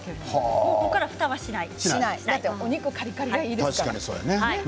ここからは、ふたはしない。